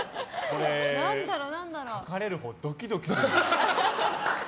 書かれる方ドキドキするね。